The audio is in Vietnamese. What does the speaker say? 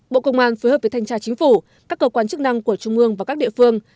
bộ công an phối hợp với thanh tra chính phủ các cơ quan chức năng của trung ương và các địa phương